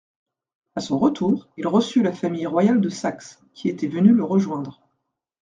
À son retour, il reçut la famille royale de Saxe, qui était venue le rejoindre.